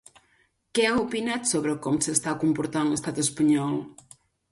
Què ha opinat sobre com s'està comportant l'estat espanyol?